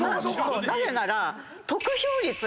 なぜなら。